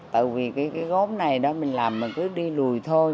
tại vì cái gốm này đó mình làm mình cứ đi lùi thôi